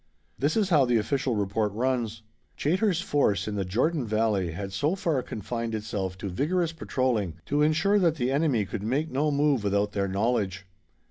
This is how the official report runs: "Chaytor's force in the Jordan Valley had so far confined itself to vigorous patrolling to insure that the enemy could make no move without their knowledge.